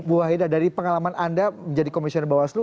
buahida dari pengalaman anda menjadi komisioner bapak baslu